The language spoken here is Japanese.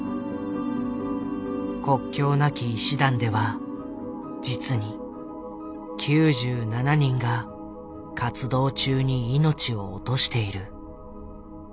国境なき医師団では実に９７人が活動中に命を落としている。